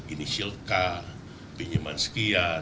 ini shilka pinjaman sekitar